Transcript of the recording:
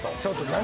何？